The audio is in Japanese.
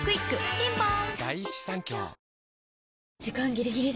ピンポーン